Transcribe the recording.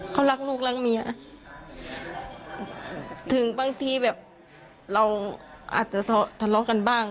เขารักลูกรักเมียนะถึงบางทีแบบเราอาจจะทะเลาะกันบ้าง